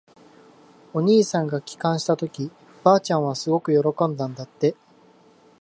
お兄さんが帰還したとき、ばあちゃんはすごく喜んだんだって。